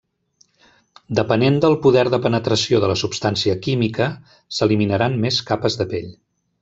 Depenent del poder de penetració de la substància química s'eliminaran més capes de pell.